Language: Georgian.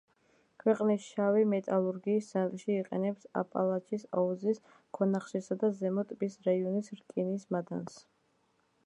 ქვეყნის შავი მეტალურგიის ცენტრი, იყენებს აპალაჩის აუზის ქვანახშირსა და ზემო ტბის რაიონის რკინის მადანს.